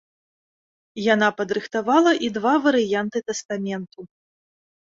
Яна падрыхтавала і два варыянты тастаменту.